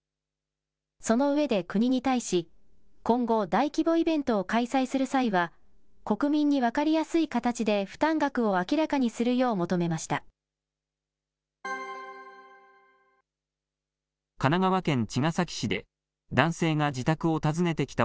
その上で国に対し、今後、大規模イベントを開催する際は、国民に分かりやすい形で負担額を明らかにするよう求めました。